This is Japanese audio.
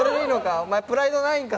お前プライドないんか？